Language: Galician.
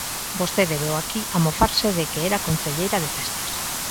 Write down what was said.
Vostede veu aquí a mofarse de que era concelleira de festas.